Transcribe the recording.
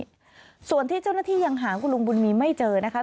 ส่วนที่เจ้าหน้าที่ยังหาคุณลุงบุญมีไม่เจอนะคะ